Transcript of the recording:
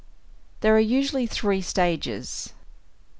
_ There are usually three stages: 1.